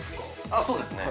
ああそうですね